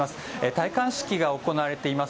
戴冠式が行われています